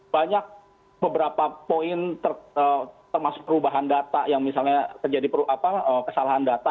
banyak beberapa poin termasuk perubahan data yang misalnya terjadi kesalahan data